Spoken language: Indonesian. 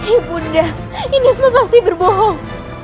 ibu anda ini semua pasti berbohong